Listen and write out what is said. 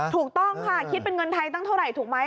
ถูกต้องค่ะคิดเป็นเงินไทยตั้งเท่าไหร่ถูกไหม